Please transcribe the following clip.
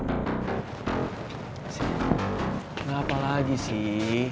gak apa lagi sih